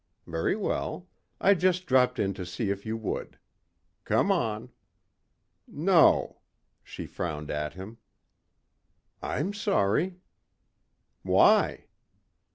Very well. I just dropped in to see if you would. Come on." "No," she frowned at him. "I'm sorry." "Why?"